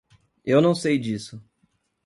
Eu não sei disso.